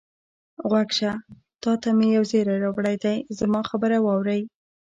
غوږ شه، تا ته مې یو زېری راوړی دی، زما خبره واورئ.